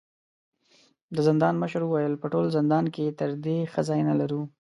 د زندان مشر وويل: په ټول زندان کې تر دې ښه ځای نه لرو.